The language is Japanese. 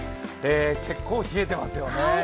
結構冷えてますよね。